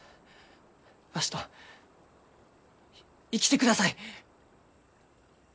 わしと生きてください！